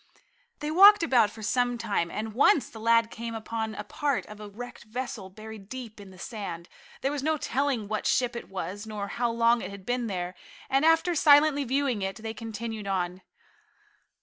They walked about for some time, and once the lad came upon a part of a wrecked vessel buried deep in the sand. There was no telling what ship it was, nor how long it had been there, and after silently viewing it, they continued on.